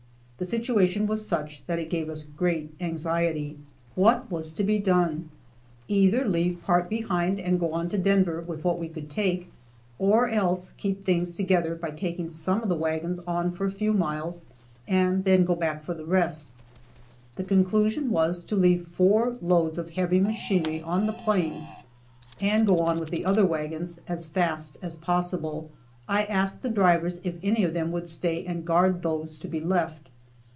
The situation was such that it gave us great anxiety. What was to be done? Either leave part behind and go on to Denver with what we could take, or else keep things together by taking some of the wagons on for a few miles and then go back for the rest. The conclusion was to leave four loads of heavy machinery on the plains and go on with the other wagons as fast as possible. I asked the drivers if any of them would stay and guard those to be left.